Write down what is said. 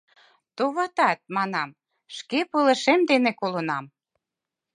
Товатат, манам, шке пылышем дене колынам.